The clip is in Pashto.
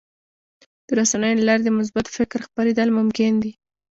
د رسنیو له لارې د مثبت فکر خپرېدل ممکن دي.